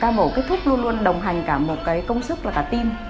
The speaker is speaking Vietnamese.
ca mổ kết thúc luôn luôn đồng hành cả một công sức là cả team